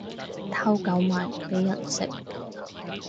偷狗賣畀人食